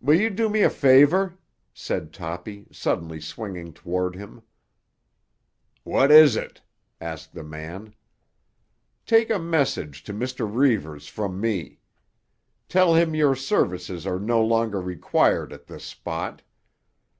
"Will you do me a favour?" said Toppy, suddenly swinging toward him. "What is it?" asked the man. "Take a message to Mr. Reivers from me. Tell him your services are no longer required at this spot.